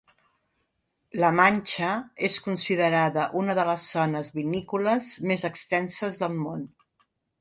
La Manxa és considerada unes de les zones vinícoles més extenses del món.